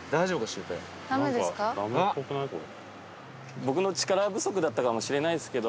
僕の力不足だったかもしれないですけど。